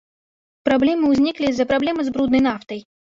Праблемы ўзніклі з-за праблемы з бруднай нафтай.